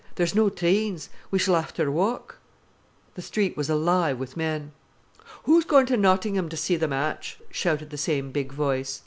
There's no treens, we s'll ha'e ter walk." The street was alive with men. "Who's goin' ter Nottingham ter see th' match?" shouted the same big voice.